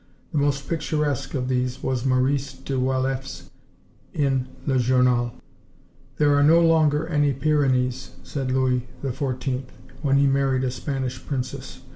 The most picturesque of these was Maurice de Waleffe's, in Le Journal: "'There are no longer any Pyrenees,' said Louis XIV, when he married a Spanish princess.